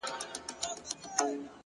هوډ د ستړیا تر سیوري تېرېږي،